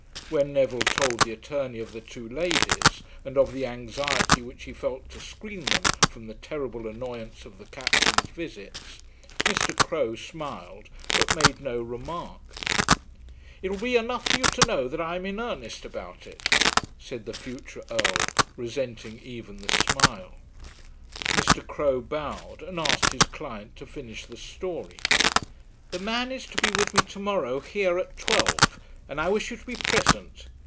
When Neville told the attorney of the two ladies, and of the anxiety which he felt to screen them from the terrible annoyance of the Captain's visits, Mr. Crowe smiled, but made no remark. "It will be enough for you to know that I am in earnest about it," said the future Earl, resenting even the smile. Mr. Crowe bowed, and asked his client to finish the story. "The man is to be with me to morrow, here, at twelve, and I wish you to be present.